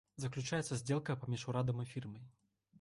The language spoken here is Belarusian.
Заключаецца здзелка паміж урадам і фірмай.